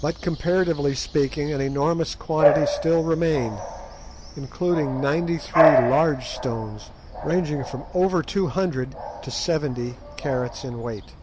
But, comparatively speaking, an enormous quantity still remained, including ninety three large stones ranging from over two hundred to seventy carats in weight.